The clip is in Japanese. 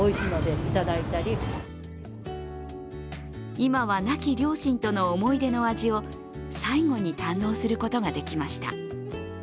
今は亡き両親との思い出の味を最後に堪能することができました。